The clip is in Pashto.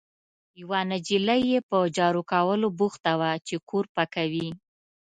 یوه نجلۍ یې په جارو کولو بوخته وه، چې کور پاکوي.